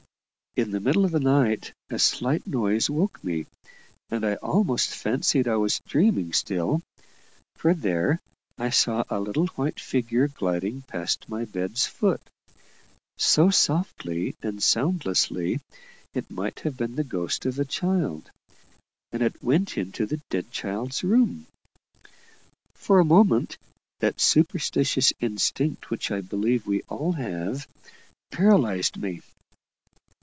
In the middle of the night a slight noise woke me, and I almost fancied I was dreaming still; for there I saw a little white figure gliding past my bed's foot; so softly and soundlessly it might have been the ghost of a child and it went into the dead child's room. For a moment, that superstitious instinct which I believe we all have, paralyzed me.